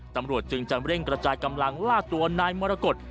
ตำรวจจึงจะเร่งกระจายกำลังล่าตัวนายมรกฏ